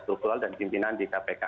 ya itu kualitas pimpinan di kpk